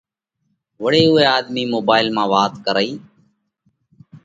وۯي اُوئہ آۮمِي موبائيل مانه وات ڪرئِي